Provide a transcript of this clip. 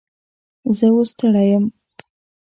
زه اوس ستړی یم